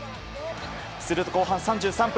すると、後半３３分。